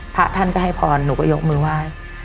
พระท่านก็ให้พรหนูก็ยกมือไหว้